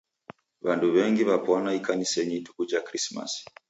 W'andu w'engi w'apwana ikanisenyi ituku ja Krismasi.